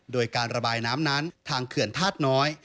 โดยการระบายน้ำนั้นทางเขื่อนธาตุน้อย